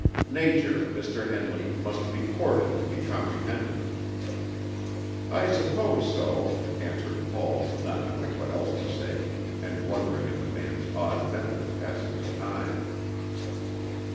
Nature, Mr. Henley, must be courted to be comprehended." "I suppose so," answered Paul, not knowing what else to say, and wondering at the man's odd method of passing the time.